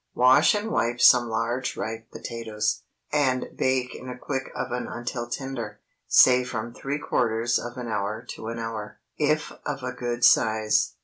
Wash and wipe some large ripe potatoes, and bake in a quick oven until tender, say from three quarters of an hour to an hour, if of a good size.